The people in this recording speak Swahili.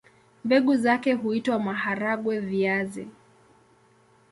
Mbegu zake huitwa maharagwe-viazi.